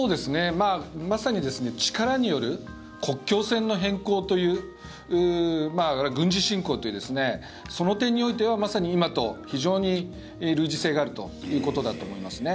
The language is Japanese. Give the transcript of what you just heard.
まさに力による国境線の変更という軍事侵攻というその点においてはまさに今と非常に類似性があるということだと思いますね。